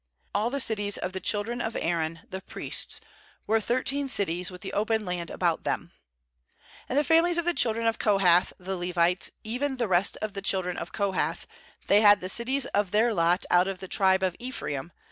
19A11 the cities of the children of Aaron, the priests, were thirteen cities with the open land about them, 20 And the families of the children of Kohath, the Levites, even the rest of the children of Kohath, they had the cities of their lot out of the tribe of Ephraim.